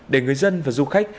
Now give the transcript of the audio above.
để người dân và du khách